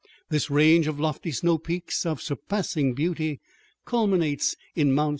This range of lofty snow peaks of surpassing beauty culminates in Mt.